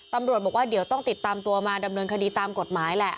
ตำรวจบอกว่าเดี๋ยวต้องติดตามตัวมาดำเนินคดีตามกฎหมายแหละ